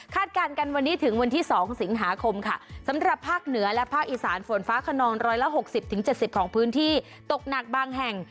การกันวันนี้ถึงวันที่๒สิงหาคมค่ะสำหรับภาคเหนือและภาคอีสานฝนฟ้าขนอง๑๖๐๗๐ของพื้นที่ตกหนักบางแห่ง